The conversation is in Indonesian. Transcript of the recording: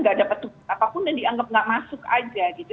gak dapat apapun dan dianggap gak masuk aja gitu